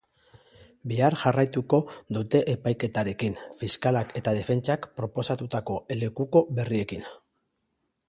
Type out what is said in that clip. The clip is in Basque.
Bihar jarraituko dute epaiketarekin, fiskalak eta defentsak proposatutako lekuko berriekin.